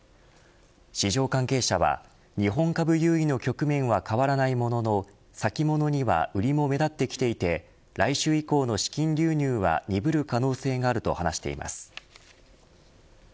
市場関係者は日本株優位の局面は変わらないものの先物には売りも目立ってきていて来週以降の資金流入は鈍る可能性があると話しています。